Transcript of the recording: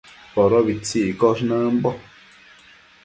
Podobitsi iccosh nëmbo